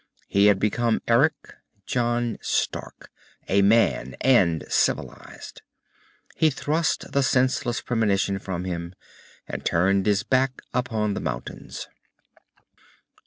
He had become Eric John Stark, a man, and civilized. He thrust the senseless premonition from him, and turned his back upon the mountains.